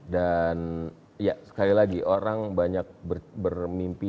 dan ya sekali lagi orang banyak bermimpi